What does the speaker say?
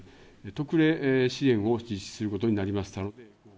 特例支援を実施することになりました。